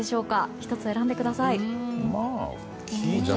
１つ選んでください。